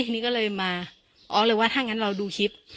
ทีนี้ก็เลยมาอ้อเลยว่าถ้างั้นเราดูคลิป